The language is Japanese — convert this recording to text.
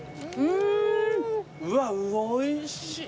うわおいしい。